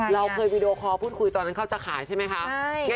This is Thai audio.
เราเคยวีดีโอคอลพูดคุยตอนนั้นเขาจะขายใช่ไหมคะ